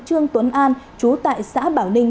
trương tuấn an trú tại xã bảo ninh